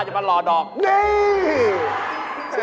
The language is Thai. มีความรู้สึกว่า